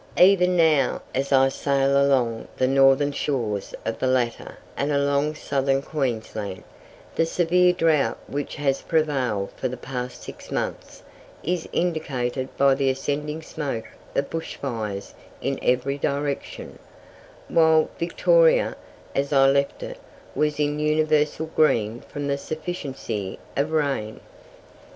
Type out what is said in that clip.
Even now, as I sail along the northern shores of the latter and along Southern Queensland, the severe drought which has prevailed for the past six months is indicated by the ascending smoke of bush fires in every direction, while Victoria, as I left it, was in universal green from the sufficiency of rain.